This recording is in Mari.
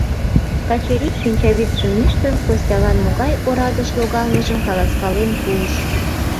Качырий, шинчавӱдшым ӱштын, Костялан могай орадыш логалмыжым каласкален пуыш.